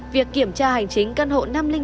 việc kiểm tra hành chính căn hộ năm trăm linh một